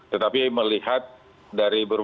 tetapi melihat dari belakang